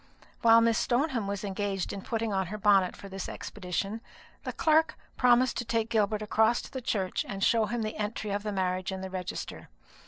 While Miss Stoneham was engaged in putting on her bonnet for this expedition, the clerk proposed to take Gilbert across to the church and show him the entry of the marriage in the register.